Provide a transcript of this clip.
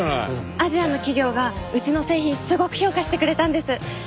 アジアの企業がうちの製品すごく評価してくれたんです。